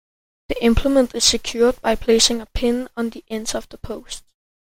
The implement is secured by placing a pin on the ends of the posts.